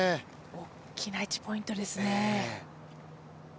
大きな１ポイントですね。